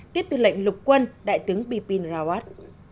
tiếp tư lệnh lục quân đại tướng bipin rawat